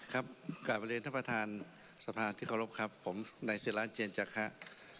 ครับกราบบริเวณท่านประธานสภาที่เคารพครับผมในศิลาเจียนจักรครับ